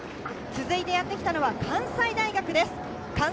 続いてやってきたのは関西大学です。